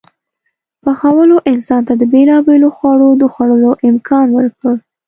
پخولو انسان ته د بېلابېلو خوړو د خوړلو امکان ورکړ.